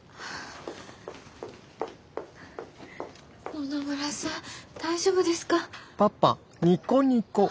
野々村さん大丈夫ですか？